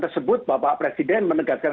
tersebut bapak presiden menegaskan